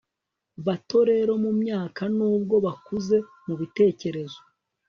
bato rero mumyaka, nubwo bakuze mubitekerezo ..